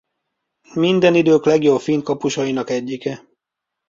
Minden idők legjobb finn kapusainak egyike.